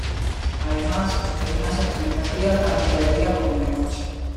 Además, es una serpiente activa tanto de día como de noche.